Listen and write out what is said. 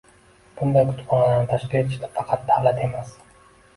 Bunday kutubxonalarni tashkil etishda faqat davlat emas